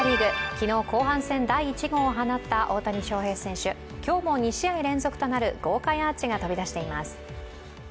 昨日、後半戦第１号を放った大谷翔平選手、今日も２試合連続となる豪快アーチが飛び出しています。